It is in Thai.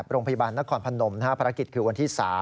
โรงพยาบาลนครพนมห้าภารกิจคือวันที่๓